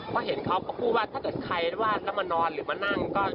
เพราะเห็นเขาก็พูดว่าถ้าเกิดใครวาดแล้วมานอนหรือมานั่งก็